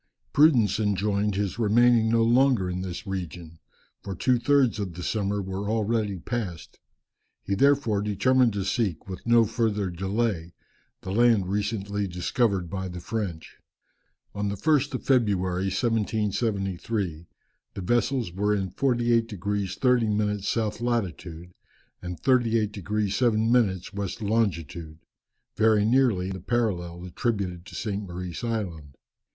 Prudence enjoined his remaining no longer in this region, for two thirds of the summer were already passed. He therefore determined to seek, with no further delay, the land recently discovered by the French. On the 1st of February, 1773, the vessels were in 48 degrees 30 minutes south latitude, and 38 degrees 7 minutes west longitude, very nearly the parallel attributed to St. Maurice Island.